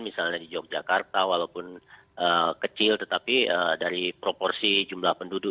misalnya di yogyakarta walaupun kecil tetapi dari proporsi jumlah penduduk